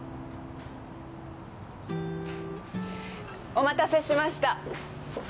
お待たせしました。